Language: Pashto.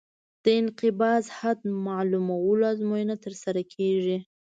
د انقباض حد معلومولو ازموینه ترسره کیږي